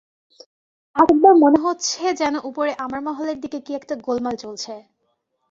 এক-একবার মনে হচ্ছে যেন উপরে আমার মহলের দিকে কী-একটা গোলমাল চলছে।